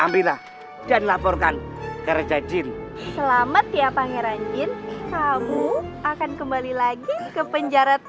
ambillah dan laporkan kerja jin selamat ya pangeran jin kamu akan kembali lagi ke penjara